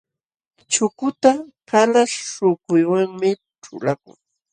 Chutukaq kalaśh śhukuywanmi ćhulakun.